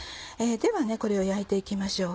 ではこれを焼いて行きましょう。